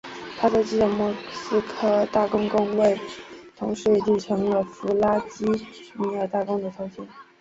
他在继承莫斯科大公公位同时也继承了弗拉基米尔大公的头衔。